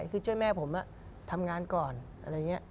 คือช่วยแม่ผมทำงานก่อนอะไรอย่างนี้